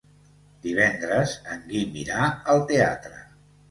Divendres en Guim irà al teatre.